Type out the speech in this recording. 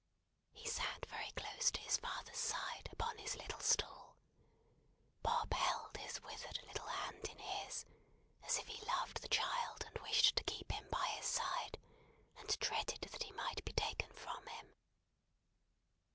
He sat very close to his father's side upon his little stool. Bob held his withered little hand in his, as if he loved the child, and wished to keep him by his side, and dreaded that he might be taken from him.